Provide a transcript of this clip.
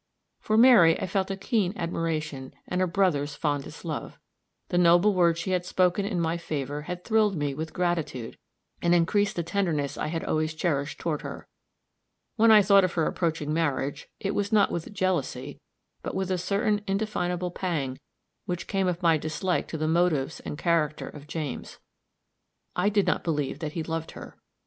For Mary I felt a keen admiration, and a brother's fondest love. The noble words she had spoken in my favor had thrilled me with gratitude, and increased the tenderness I had always cherished toward her. When I thought of her approaching marriage, it was not with jealousy, but with a certain indefinable pang which came of my dislike to the motives and character of James. I did not believe that he loved her.